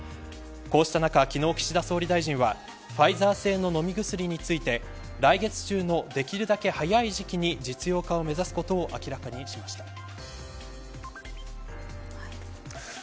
こうした中、昨日岸田総理大臣はファイザー製の飲み薬について来月中のできるだけ早い時期に実用化を目指すことを明らかにしました。